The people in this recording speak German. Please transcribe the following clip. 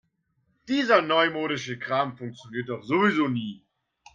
Dieser neumodische Kram funktioniert doch sowieso nie.